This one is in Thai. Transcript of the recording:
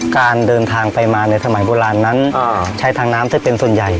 การเดินทางไปมาในสมัยโบราณนั้นใช้ทางน้ำได้เป็นส่วนใหญ่